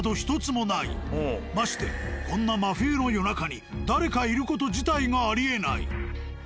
ましてこんな真冬の夜中に誰かいる事自体がありえない。